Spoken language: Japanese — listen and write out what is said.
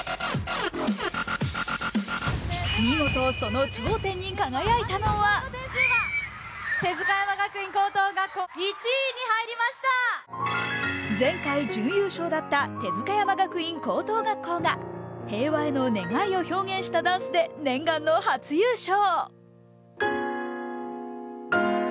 見事その頂点に輝いたのは前回準優勝だった帝塚山学院高等学校が平和への願いを表現したダンスで念願の初優勝。